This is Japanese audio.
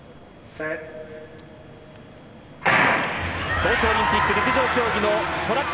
東京オリンピック陸上競技のトラック